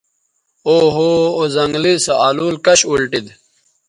او ہو او زنگلئ سو الول کش اُلٹید